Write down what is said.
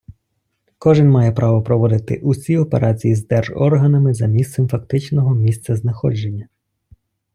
Кожен має право проводити усі операції з держорганами за місцем фактичного місцезнаходження.